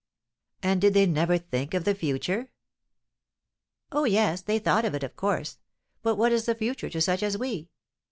"And did they never think of the future?" "Oh, yes, they thought of it, of course; but what is the future to such as we?